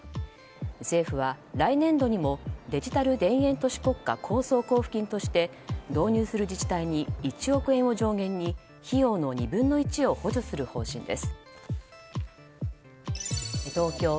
政府は、来年度にもデジタル田園都市国家構想交付金として導入する自治体に１億円を上限に費用の２分の１を補助する方針です。